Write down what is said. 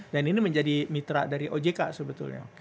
dan ini menjadi mitra dari ojk sebetulnya